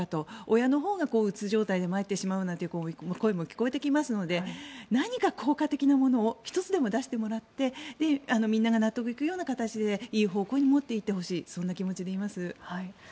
親のほうがうつ状態で参ってしまうというような声も聞こえてきますので何か効果的なものを１つでも出してもらってみんなが納得いくような形でいい方向に持っていってほしいそんな気でいます。